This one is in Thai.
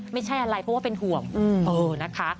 ไม่ใช่อะไรเพราะว่าเป็นห่วงนะคะ